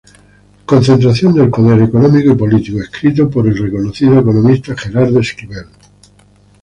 Concentración del poder económico y político", escrito por el reconocido economista Gerardo Esquivel.